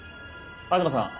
東さん。